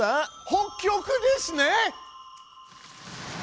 北極ですね！